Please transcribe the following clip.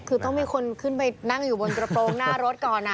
คือต้องมีคนขึ้นไปนั่งอยู่บนกระโปรงหน้ารถก่อน